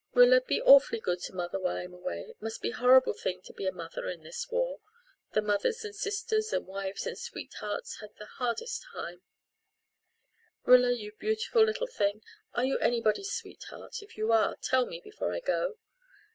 Rilla, be awfully good to mother while I'm away. It must be a horrible thing to be a mother in this war the mothers and sisters and wives and sweethearts have the hardest times. Rilla, you beautiful little thing, are you anybody's sweetheart? If you are, tell me before I go."